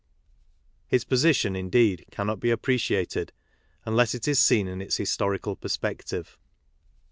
His position, indeed, cannot be appreciated unless it is seen in its historical perspective.